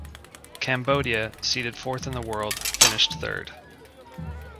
Cambodia, seeded fourth in the world, finished third.